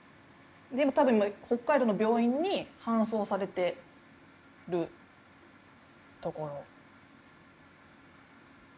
でも多分今北海道の病院に搬送されてるところ。